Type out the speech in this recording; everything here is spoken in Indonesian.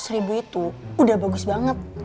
tiga ratus ribu itu udah bagus banget